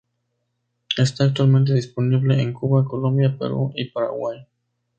Esta actualmente disponible en Cuba, Colombia, Perú y Paraguay.